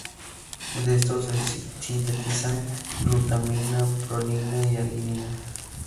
De estos se sintetizan glutamina, prolina y arginina.